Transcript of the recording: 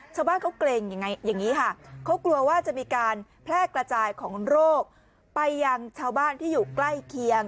ชาวบ้านเขาเกรงอย่างนี้ค่ะเขากลัวว่าจะมีการแพร่กระจายของโรคไปยังชาวบ้านที่อยู่ใกล้เคียง